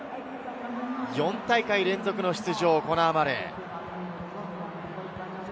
４大会連続の出場、コナー・マレー。